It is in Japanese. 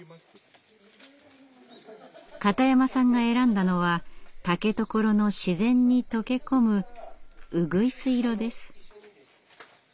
片山さんが選んだのは竹所の自然に溶け込む「ウグイス色」です。